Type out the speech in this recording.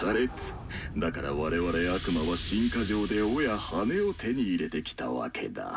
だから我々悪魔は進化上で尾や羽を手に入れてきたわけだ。